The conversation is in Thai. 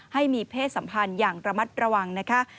ให้มีเพศสัมพันธ์อย่างระมัดระวังนะคะ